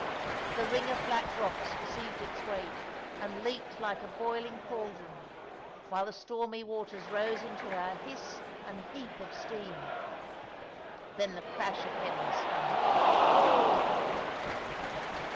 The ring of black rocks received its weight, and leaped like a boiling caldron, while the stormy waters rose into a hiss and heap of steam. Then the crash of heaven stunned me.